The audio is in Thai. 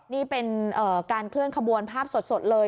นี่เป็นการเคลื่อนขบวนภาพสดเลย